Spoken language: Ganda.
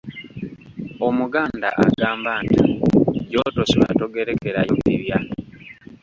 "Omuganda agamba nti, “Gy’otosula togerekerayo bibya”."